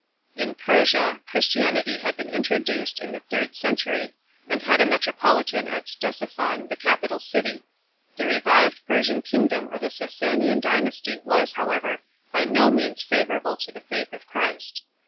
417 In Persia 1 Christianity had been introduced in the third century, and had a metropolitan at Ctesiphon, the capital city. The revived Persian kingdom of the Sassanian dynasty was however by no means favourable to the faith of Christ.